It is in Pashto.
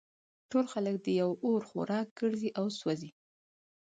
ټول خلک د یوه اور خوراک ګرځي او سوزي